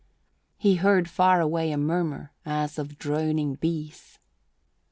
He heard far away a murmur as of droning bees.